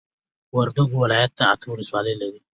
وردوګو ولايت اته ولسوالۍ لري